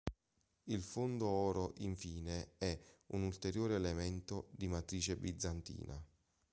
Il fondo oro, infine, è un ulteriore elemento di matrice bizantina.